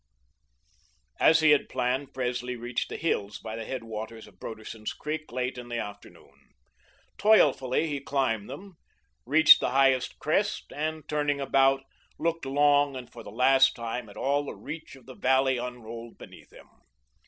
As he had planned, Presley reached the hills by the head waters of Broderson's Creek late in the afternoon. Toilfully he climbed them, reached the highest crest, and turning about, looked long and for the last time at all the reach of the valley unrolled beneath him.